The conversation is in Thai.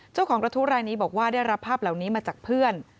เจ้าของกระทู้รายนี้บอกว่าได้รับภาพเหล่านี้มาจากเพื่อน